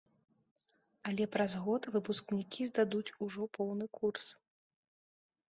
Але праз год выпускнікі здадуць ужо поўны курс.